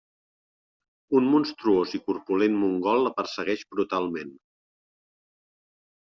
Un monstruós i corpulent mongol la persegueix brutalment.